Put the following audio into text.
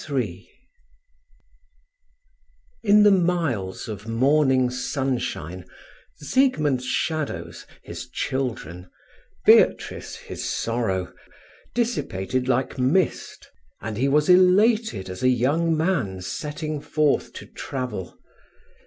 III In the miles of morning sunshine, Siegmund's shadows, his children, Beatrice, his sorrow, dissipated like mist, and he was elated as a young man setting forth to travel.